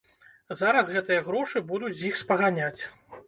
Зараз гэтыя грошы будуць з іх спаганяць.